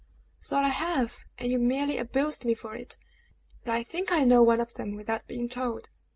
"So I have, and you merely abused me for it. But I think I know one of them without being told.